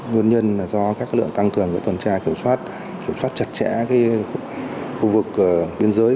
nguyên nhân là do các lực lượng tăng cường tuần tra kiểm soát kiểm soát chặt chẽ khu vực biên giới